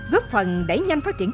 góp phần để nhanh phát triển